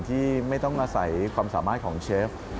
ที่ไม่ต้องอาศัยความสามารถของเชฟ